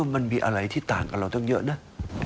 มันมีอะไรที่ต่างกับเราเท่าเหมือนเยอะนะ